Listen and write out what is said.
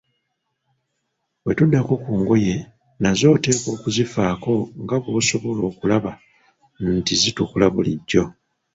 Bwe tuddako ku ngoye, nazo oteekwa okuzifaako nga bw'osobola okulaba nti zitukula bulijjo.